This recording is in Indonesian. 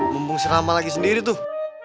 mumpung si rama lagi sendiri tuh